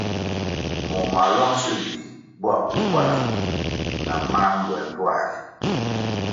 Moh mā lwang sil di bo akukwala na mā mbwel ndtuā ri.